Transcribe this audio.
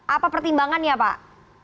apa pertimbangannya pak